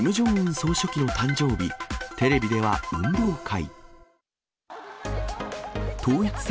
総書記の誕生日、テレビでは運動会。